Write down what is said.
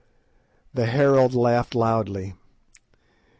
The herald laughed loudly.